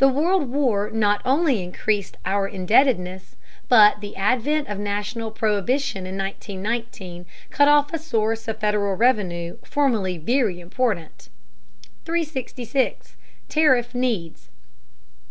The World War not only increased our indebtedness, but the advent of national prohibition in 1919 cut off a source of Federal revenue formerly very important. 366. TARIFF NEEDS.